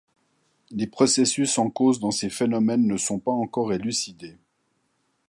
Les processus en cause dans ces phénomènes ne sont pas encore élucidés.